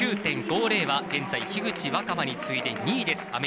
６９．５０は現在樋口新葉に次いで２位です。